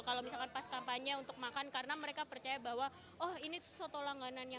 kalau misalkan pas kampanye untuk makan karena mereka percaya bahwa oh ini soto langganannya